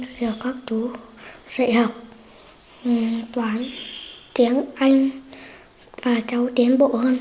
giờ các chú sẽ học toán tiếng anh và cháu tiến bộ hơn